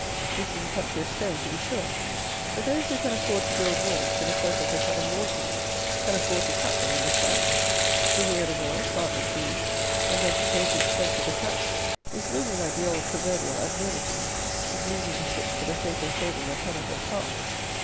This is a country of stone to be sure; but those who can afford to build walls for the purpose of having wall fruit, can afford to cap them in this manner: to rear the wall, plant the trees, and then to save the expense of the cap, is really like the old proverbial absurdity, "of losing the ship for the sake of saving a pennyworth of tar."